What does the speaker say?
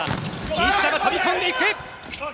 西田が飛び込んでいく！